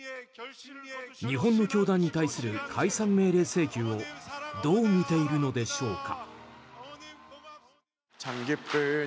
日本の教団に対する解散命令請求をどう見ているのでしょうか。